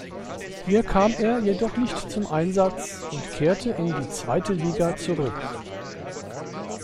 Hier kam er jedoch nicht zum Einsatz und kehrte in die zweite Liga zurück.